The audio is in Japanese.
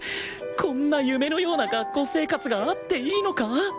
こんな夢のような学校生活があっていいのか？